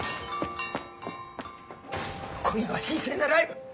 今夜は神聖なライブ。